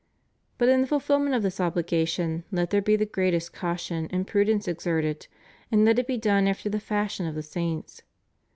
But in the fulfilment of this obhgation let there be the greatest caution and prudence exerted, and let it be done after the fashion of the saints.